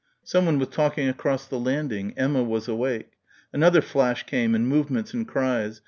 Someone was talking across the landing. Emma was awake. Another flash came and movements and cries.